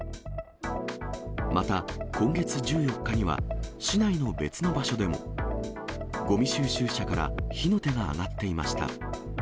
また今月１４日には、市内の別の場所でも、ごみ収集車から火の手が上がっていました。